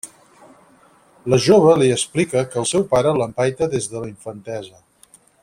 La jove li explica que el seu pare l'empaita des de la infantesa.